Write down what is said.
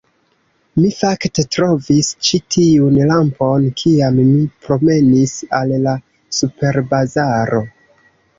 Mi, fakte, trovis ĉi tiun lampon kiam mi promenis al la superbazaro